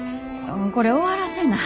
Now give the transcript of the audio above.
これ終わらせな。